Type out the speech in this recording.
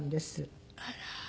あら。